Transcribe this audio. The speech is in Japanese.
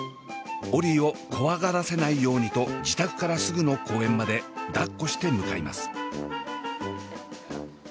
オリィを怖がらせないようにと自宅からすぐの公園までだっこして向かいます。